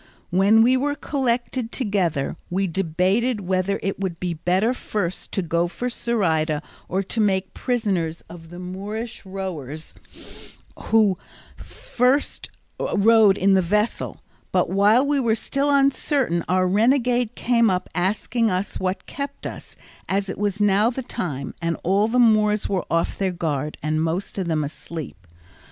When we were collected together we debated whether it would be better first to go for Zoraida, or to make prisoners of the Moorish rowers who rowed in the vessel; but while we were still uncertain our renegade came up asking us what kept us, as it was now the time, and all the Moors were off their guard and most of them asleep.